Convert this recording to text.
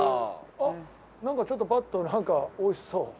あっなんかちょっとパッと美味しそう。